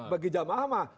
bagi jemaah mah